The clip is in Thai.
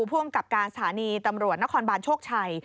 ผู้อำกับการสถานีตำรวจนครบานโชคชัย